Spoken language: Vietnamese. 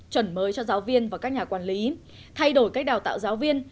chuẩn mới cho giáo viên và các nhà quản lý thay đổi cách đào tạo giáo viên